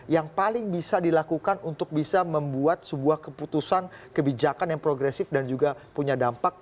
yang paling bisa dilakukan untuk bisa membuat sebuah keputusan kebijakan yang progresif dan juga punya dampak